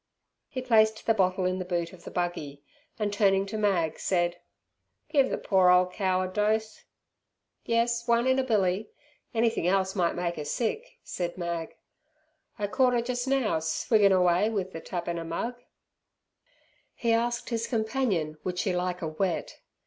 He placed the bottle in the boot of the buggy, and, turning to Mag, said "Give ther poor ole cow a dose!" "Yes, one in a billy; anything else might make her sick!" said Mag. "I caught 'er jus' now swiggin' away with ther tap in 'er mug!" He asked his companion would she like a wet.